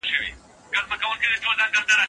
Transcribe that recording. په څو ورځو کي پخه انډیوالي سوه